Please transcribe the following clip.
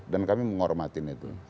dan kami menghormatin itu